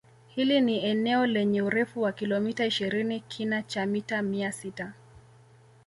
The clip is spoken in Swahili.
Hili ni eneo lenye urefu wa kilometa ishirini kina cha mita mia sita